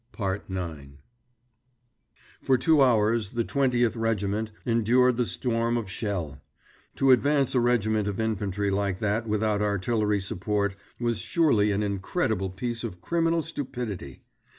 IX For two hours the Twentieth Regiment endured the storm of shell. To advance a regiment of infantry like that without artillery support was surely an incredible piece of criminal stupidity.